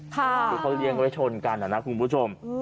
ทุกคนเลี้ยงไว้ชนกันนะครับคุณผู้ชม